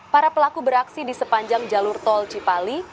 para pelaku beraksi di sepanjang jalur tol cipali